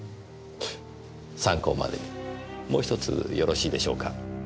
参考までにもう一つよろしいでしょうか？